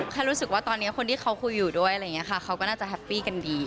แค่รู้สึกว่าตอนนี้คนที่เขาคุยอยู่ด้วยอะไรอย่างนี้ค่ะเขาก็น่าจะแฮปปี้กันดี